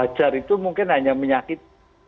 wajar itu mungkin hanya menyakit